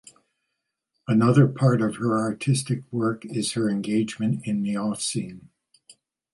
Another part of her artistic work is her engagement in the off scene.